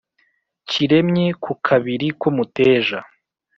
kiremye ku kabiri k' umuteja